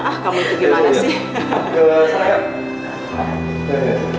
ah kamu itu gimana sih